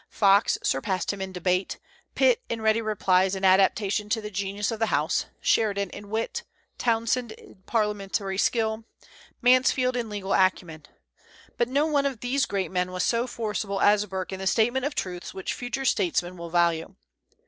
Fox surpassed him in debate, Pitt in ready replies and adaptation to the genius of the house, Sheridan in wit, Townsend in parliamentary skill, Mansfield in legal acumen; but no one of these great men was so forcible as Burke in the statement of truths which future statesmen will value.